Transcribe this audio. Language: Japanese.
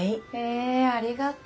えありがとう。